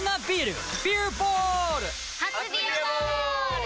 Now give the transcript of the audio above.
初「ビアボール」！